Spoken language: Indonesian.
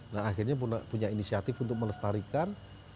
nah akhirnya punya inisiatif untuk melestarikan